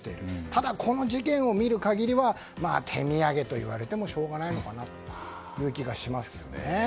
ただ、この事件を見る限りは手土産といわれてもしょうがないのかなという気がしますよね。